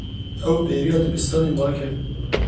Ew bêriya dibistanê nake.